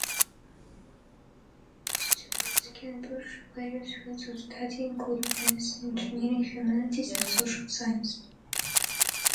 Students can pursue various fields of study, including medicine, engineering, humanities, and social sciences.